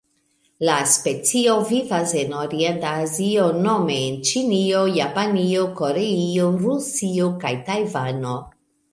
La specio vivas en Orienta Azio nome en Ĉinio, Japanio, Koreio, Rusio kaj Tajvano.